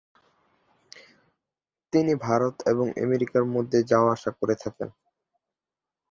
তিনি ভারত এবং আমেরিকার মধ্যে যাওয়া আসা করেন এবং থাকেন।